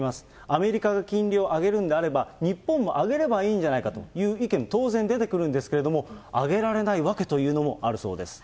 アメリカが金利を上げるんであれば、日本も上げればいいんじゃないかという意見、当然出てくるんですけれども、上げられない訳というのもあるそうです。